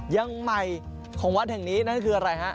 ยังใหม่ของวัดแห่งนี้นั่นคืออะไรฮะ